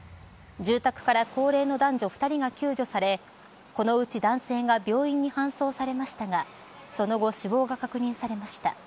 住宅から高齢の男女２人が救助されこのうち男性が病院に搬送されましたがその後、死亡が確認されました。